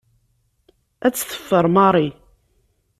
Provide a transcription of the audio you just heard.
Ad tt-teffer Mary.